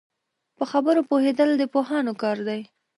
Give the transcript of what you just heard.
په خبرو پوهېدل د پوهانو کار دی